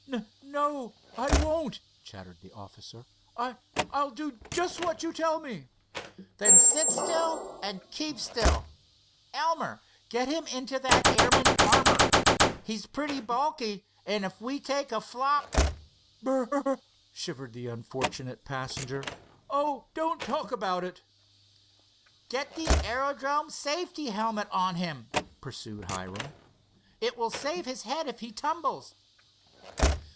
"N no, I won't," chattered the officer. "I—I'll do just what you tell me." "Then sit still and keep still. Elmer, get him into that airman armor. He's pretty bulky, and if we take a flop——" "Br rr r!" shivered the unfortunate passenger. "Oh, don't talk about it!" "Get the aerodrome safety helmet on him," pursued Hiram. "It will save his head if he tumbles."